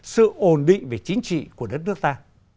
sự ổn định về chính trị của đất nước ta